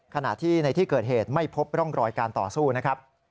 ขณะที่ในที่เกิดเหตุไม่พบร่องรอยการต่อสู้นะครับ